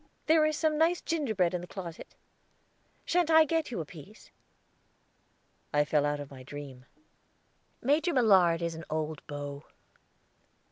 "There is some nice gingerbread in the closet. Sha'n't I get you a piece?" I fell out of my dream. "Major Millard is an old beau.